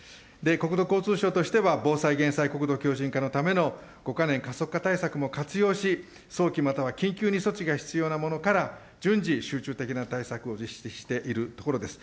国土交通省としては防災・減災・国土強靭化のための５か年加速化対策も活用し、早期または緊急に措置が必要なものから、順次、集中的な対策を実施しているところです。